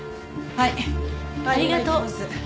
はい。